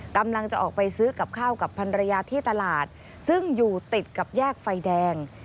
กำลังจะออกไปซื้อกับข้าวกับพันรยาที่ตลาดซึ่งอยู่ติดกับแยกไฟแดง